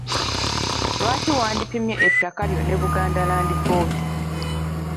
Lwaki wandipimye ettaka lyo ne Buganda Land Board?